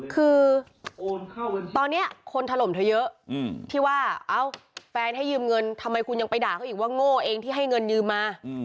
คือตอนนี้คนถล่มเธอเยอะที่ว่าเอ้าแฟนให้ยืมเงินทำไมคุณยังไปด่าเขาอีกว่าโง่เองที่ให้เงินยืมมา